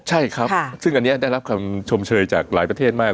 ใช่ครับซึ่งอันนี้ได้รับคำชมเชยจากหลายประเทศมาก